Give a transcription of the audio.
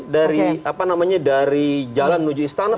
dari jalan menuju istana